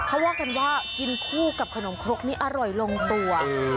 เขาว่ากันว่ากินคู่กับขนมครกนี่อร่อยลงตัว